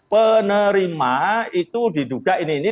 penerima itu diduga ini ini